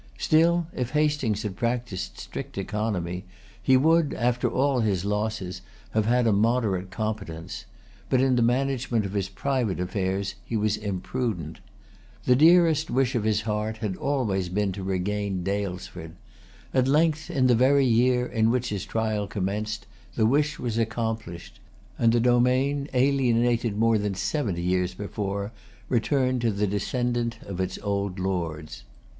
Still if Hastings had practised strict economy, he would, after all his losses, have had a moderate competence; but in the management of his private affairs he was imprudent. The dearest wish of his heart had always been to regain Daylesford. At length, in the very year in which his trial commenced, the wish was accomplished; and the domain, alienated more than seventy years before, returned to the descendant of its old lords.